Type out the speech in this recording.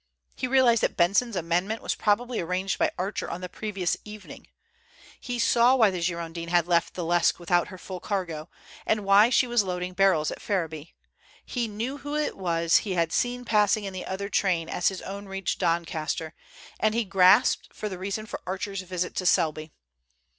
He realized that Benson's amendment was probably arranged by Archer on the previous evening. He saw why the Girondin had left the Lesque without her full cargo, and why she was loading barrels at Ferriby. He knew who it was he had seen passing in the other train as his own reached Doncaster, and he grasped the reason for Archer's visit to Selby.